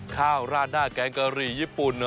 ข้าวร้านหน้าแกงกะรีญี่ปุ่น